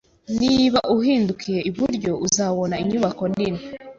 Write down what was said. Niba uhindukiye iburyo, uzabona inyubako nini.